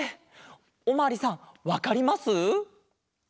おまわりさんわかります？